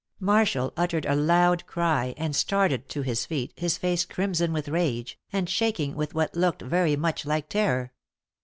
Marshall uttered a loud cry and started to his feet his face crimson with rage, and shaking with what looked very much like terror.